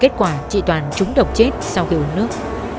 kết quả trị toàn trúng độc chết sau khi uống nước